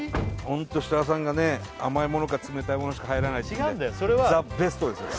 ホント設楽さんが甘いものか冷たいものしか入らないっていうんで違うんだよ